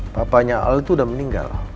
papanya al itu sudah meninggal